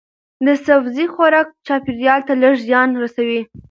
د سبزی خوراک چاپیریال ته لږ زیان رسوي.